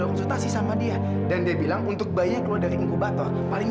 konsultasi sama dia dan dia bilang untuk bayi yang keluar dari incubator paling